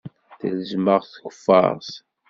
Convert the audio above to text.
Telzem-aɣ tkeffart.